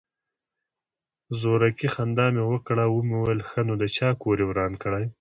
زورکي خندا مې وکړه ومې ويل ښه نو د چا کور يې وران کړى.